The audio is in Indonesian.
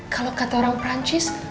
kalau kata orang perancis